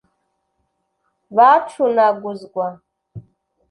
bacunaguzwa